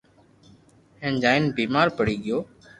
ھين جائين بيمار پڙي گيو